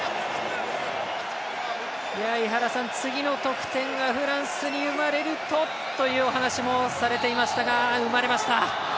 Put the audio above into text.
次の得点がフランスに生まれるとというお話をされていましたが、生まれました。